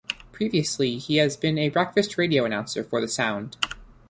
Previously, he has been a breakfast radio announcer for The Sound.